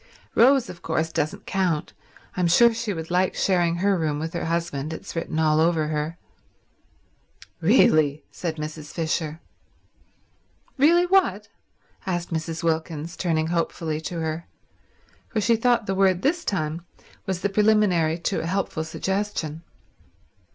"Rose, of course, doesn't count. I'm sure she would like sharing her room with her husband. It's written all over her." "Really—" said Mrs. Fisher. "Really what?" asked Mrs. Wilkins, turning hopefully to her, for she thought the word this time was the preliminary to a helpful suggestion.